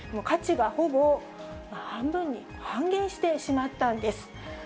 価値がほぼ半分に、半減してしまったんです。